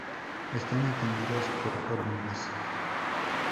Están atendidos por hormigas.